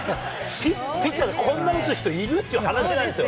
ピッチャーでこんな打つ人いるっていう話なんですよ。